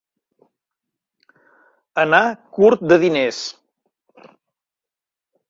Anar curt de diners.